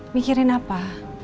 mikirin apa